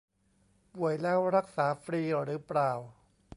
ป่วยแล้วรักษาฟรีหรือเปล่า